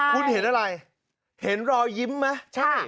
คุณเห็นอะไรเห็นรอยยิ้มไหมใช่